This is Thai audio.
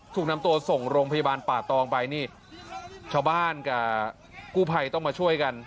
ถูกนำตัวส่งโรงพยาบาลป่าตองไปนี่ชาวบ้านกับกู้ภัยต้องมาช่วยกัน